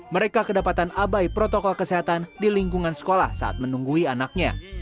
mereka kedapatan abai protokol kesehatan di lingkungan sekolah saat menunggui anaknya